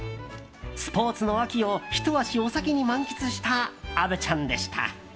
スポーツの秋をひと足お先に満喫した虻ちゃんでした。